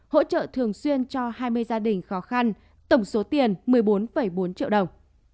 hỗ trợ thường xuyên cho hai mươi gia đình khó khăn tổng số tiền một mươi bốn bốn triệu đồng